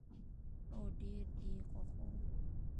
هو، ډیر یي خوښوم